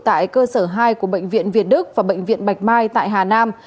tại cơ sở hai của bệnh viện việt đức và bệnh viện bạch mai tại hà nam